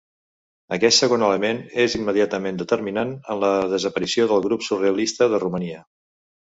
Aquest segon element és immediatament determinant en la desaparició del grup surrealista de Romania.